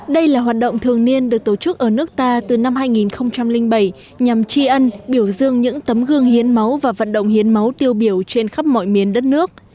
đây là hoạt động thường niên được tổ chức ở nước ta từ năm hai nghìn bảy nhằm tri ân biểu dương những tấm gương hiến máu và vận động hiến máu tiêu biểu trên khắp mọi miền đất nước